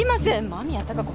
間宮貴子